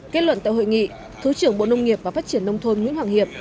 kết luận tại hội nghị thứ trưởng bộ nông nghiệp và phát triển nông thôn nguyễn hoàng hiệp